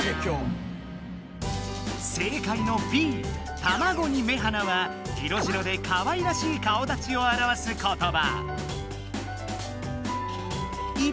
正解のＢ「卵に目鼻」は色白でかわいらしい顔だちをあらわす言葉。